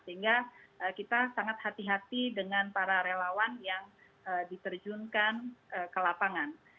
sehingga kita sangat hati hati dengan para relawan yang diterjunkan ke lapangan